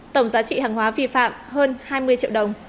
tổng giá trị hàng hóa vi phạm hơn hai mươi triệu đồng